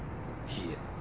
いいえ。